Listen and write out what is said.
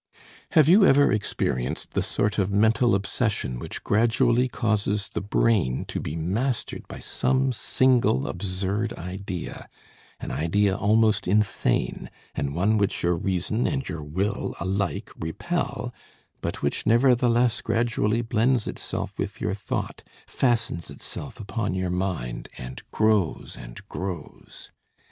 "Have you ever experienced the sort of mental obsession which gradually causes the brain to be mastered by some single absurd idea an idea almost insane, and one which your reason and your will alike repel, but which nevertheless gradually blends itself with your thought, fastens itself upon your mind, and grows and grows?